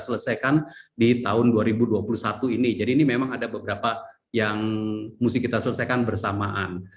selesaikan di tahun dua ribu dua puluh satu ini jadi ini memang ada beberapa yang mesti kita selesaikan bersamaan